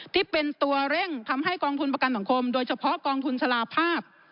ที่เป็นตัวเร่งทำให้กองทุนประกันสังคมโดยเฉพาะกองทุนสลาภาพ